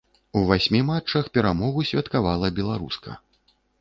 У васьмі матчах перамогу святкавала беларуска.